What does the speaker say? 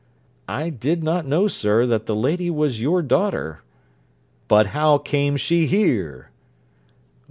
'I did not know, sir, that the lady was your daughter.' 'But how came she here?'